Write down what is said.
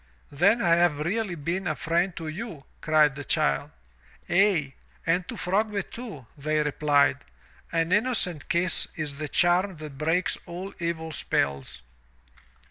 "Then I have really been a friend to you, cried the child. "Aye, and to Frogbit, too, they replied. "An innocent kiss is the charm that breaks all evil spells.